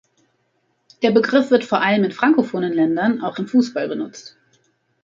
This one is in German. Der Begriff wird vor allem in frankophonen Ländern auch im Fußball benutzt.